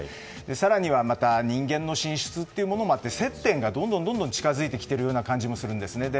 更には人間の進出というものもあって接点がどんどん近づいてきているような感じもするんですね。